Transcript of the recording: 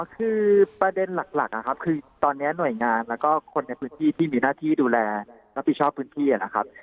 คือประเด็นหลักนะครับคือตอนนี้หน่วยงานแล้วก็คนในพื้นที่ที่มีหน้าที่ดูแลรับผิดชอบพื้นที่นะครับ